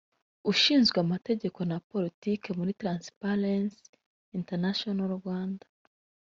ushinzwe Amategeko na Politiki muri Transparency International Rwanda